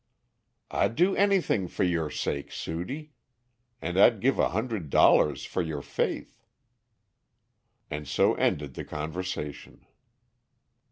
"I'd do anything for your sake, Sudie, and I'd give a hundred dollars for your faith." And so ended the conversation.